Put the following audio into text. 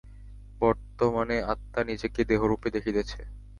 বর্তমানে আত্মা নিজেকে দেহরূপে দেখিতেছে।